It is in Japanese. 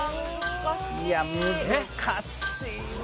いや難しいわ。